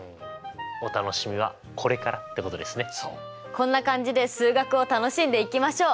こんな感じで数学を楽しんでいきましょう！